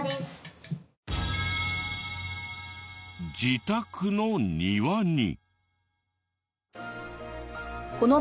自宅の庭に。